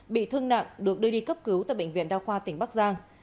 bị thương nặng được đưa đi cấp cứu tại bệnh viện đa khoa tỉnh bắc giang